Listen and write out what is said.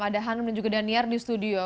ada hanum dan juga daniar di studio